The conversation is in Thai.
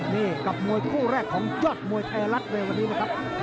นี่กับมวยคู่แรกของยอดมวยแผลสวรรควรครับ